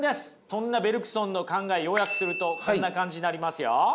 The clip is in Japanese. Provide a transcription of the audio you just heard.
そんなベルクソンの考え要約するとこんな感じになりますよ。